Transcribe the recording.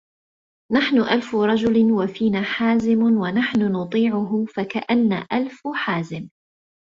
نَحْنُ أَلْفُ رَجُلٍ وَفِينَا حَازِمٌ وَنَحْنُ نُطِيعُهُ فَكَأَنَّا أَلْفُ حَازِمٍ